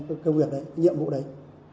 cái công việc đấy cái nhiệm vụ đấy